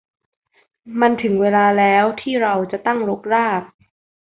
มันถึงเวลาแล้วที่เราจะตั้งรกราก